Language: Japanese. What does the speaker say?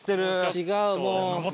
違うもう。